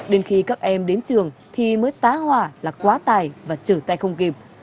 đến khi các em đến trường thì mới tá hòa là quá tài và trở tại không kịp